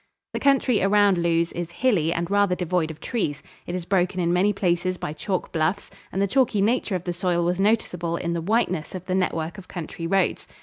The country around Lewes is hilly and rather devoid of trees. It is broken in many places by chalk bluffs, and the chalky nature of the soil was noticeable in the whiteness of the network of country roads.